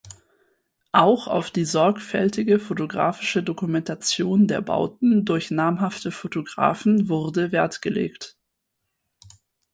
Auch auf die sorgfältige fotografische Dokumentation der Bauten durch namhafte Fotografen wurde Wert gelegt.